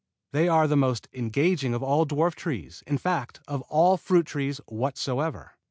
They are the most engaging of all dwarf trees, in fact of all fruit trees whatsoever.